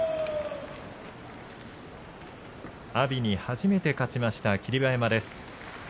阿炎に初めて勝ちました霧馬山です。